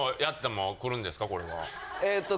えっと